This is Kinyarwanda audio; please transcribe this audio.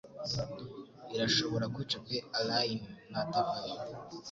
Irashobora kwica pe Allayne natavayo